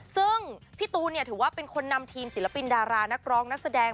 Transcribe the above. ซึ่งพี่ตูนถือว่าเป็นคนนำทีมศิลปินดารานักร้องนักแสดง